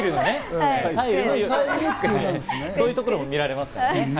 そういうところも見られますからね。